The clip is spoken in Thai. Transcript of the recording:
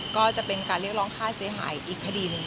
ก็จะเป็นการเรียกร้องค่าเสียหายอีกคดีหนึ่ง